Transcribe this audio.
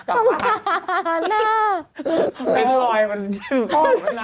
ไอ้ลอยมันชื่น